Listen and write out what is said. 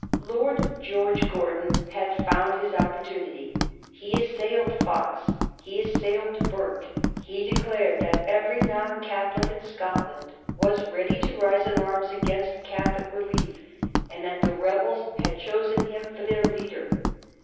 Lord George Gordon had found his opportunity. He assailed Fox; he assailed Burke. He declared that every non Catholic in Scotland was ready to rise in arms against Catholic relief, and that the rebels had chosen him for their leader.